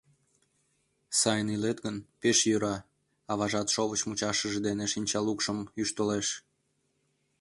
— Сайын илет гын, пеш йӧра, — аважат шовыч мучашыж дене шинчалукшым ӱштылеш.